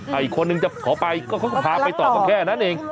แต่อีกคนนึงจะขอไปก็เขาก็พาไปต่อก็แค่นั้นเอง